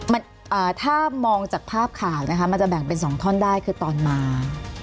มันอ่าถ้ามองจากภาพข่าวนะคะมันจะแบ่งเป็นสองท่อนได้คือตอนมา